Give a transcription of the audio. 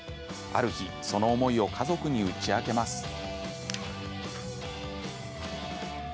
ある日、その思いを家族に打ち明けます。